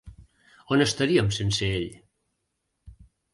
On estaríem sense ell?